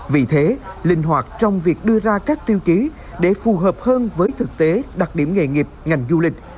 vì thế linh hoạt trong việc đưa ra các tiêu chí để phù hợp hơn với thực tế đặc điểm nghề nghiệp ngành du lịch